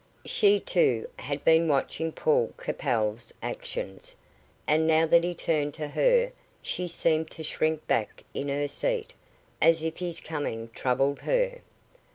She, too, had been watching Paul Capel's actions, and now that he turned to her she seemed to shrink back in her seat, as if his coming troubled her.